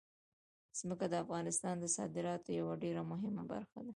ځمکه د افغانستان د صادراتو یوه ډېره مهمه برخه ده.